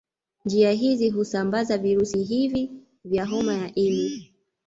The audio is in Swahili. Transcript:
Njia hizi husambaza virusi hivi vya homa ya ini